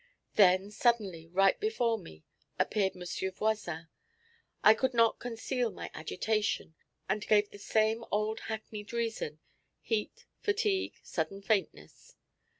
Then suddenly, right before me, appeared M. Voisin. I could not conceal my agitation, and gave the same old hackneyed reason heat, fatigue, sudden faintness.